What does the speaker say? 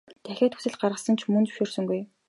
Дахиад хүсэлт гаргасан ч мөн л зөвшөөрсөнгүй.